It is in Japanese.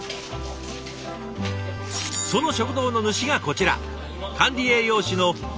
その食堂の主がこちら。